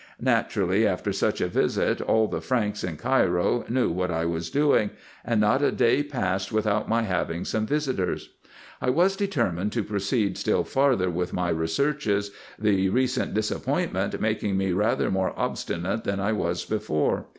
Naturally, after such a visit, all the Franks in Cairo knew what I was doing ; and not a day passed without my having some visitors. I was determined to proceed still farther with my researches, the recent disappointment making me rather more obstinate than I was before.